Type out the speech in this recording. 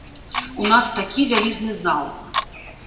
У нас такі вялізны зал.